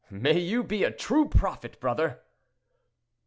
"May you be a true prophet, brother!"